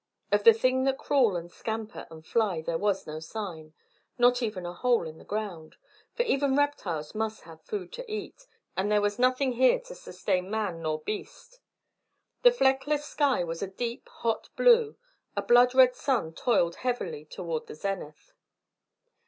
Of the things that crawl and scamper and fly there was no sign, not even a hole in the ground; for even reptiles must have food to eat, and there was nothing here to sustain man nor beast. The fleckless sky was a deep, hot blue; a blood red sun toiled heavily toward the zenith.